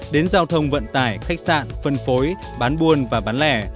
đến giao thông vận tải khách sạn phân phối bán buôn và bán lẻ